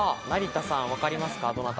成田さんわかりますか？